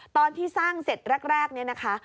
ตอนที่สร้างเสร็จแรกเนี่ยนะคะ